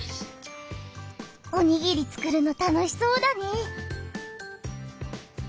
おにぎりつくるの楽しそうだね。